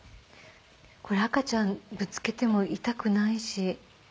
これ赤ちゃんぶつけても痛くないし。